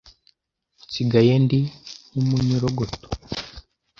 nsigaye ndi nk'umunyorogoto